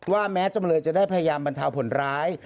แม้จำเลยจะได้พยายามบรรเทาผลร้าย